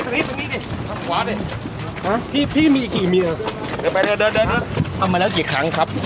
เราฆ่ากี่ศพแล้วมาบอกคุณครับ